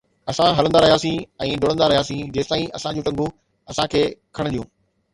اسان هلندا رهياسين ۽ ڊوڙندا رهياسين جيستائين اسان جون ٽنگون اسان کي کڻنديون